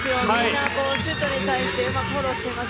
シュートに対してみんなうまくフォローしています。